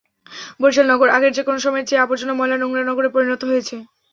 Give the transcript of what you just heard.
বরিশাল নগর আগের যেকোনো সময়ের চেয়ে আবর্জনা, ময়লা, নোংরা নগরে পরিণত হয়েছে।